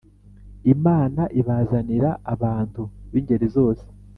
Imana ibazanira abantu b’ingeri zose